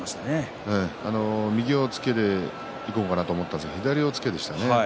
右押っつけでいこうと思ったんですが左押っつけでしたね。